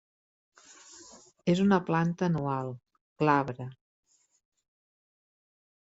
És una planta anual, glabre.